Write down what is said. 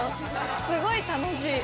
すごい楽しい。